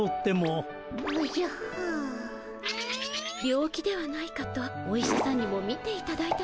病気ではないかとお医者さんにもみていただいたのですが。